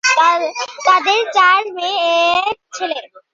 তাদের চার মেয়ে, এক ছেলে।